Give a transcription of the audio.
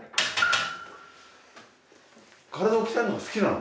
体を鍛えるのが好きなの？